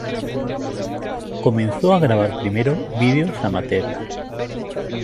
Comenzó a grabar primero vídeos amateur.